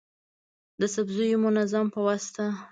د سبزیو منظم پواسطه د خاورې کیفیت ښه کوي.